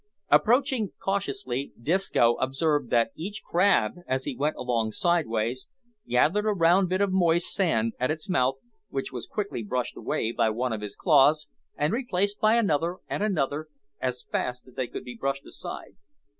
Approaching cautiously, Disco observed that each crab, as he went along sidewise, gathered a round bit of moist sand at his mouth, which was quickly brushed away by one of his claws, and replaced by another, and another, as fast as they could be brushed aside.